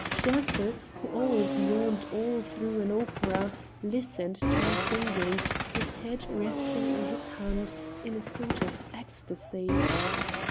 Sterzl, who always yawned all through an opera, listened to her singing, his head resting on his hand, in a sort of ecstasy.